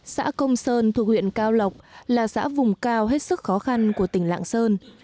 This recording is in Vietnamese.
xã công sơn thuộc huyện cao lộc là xã vùng cao hết sức khó khăn của tỉnh lạng sơn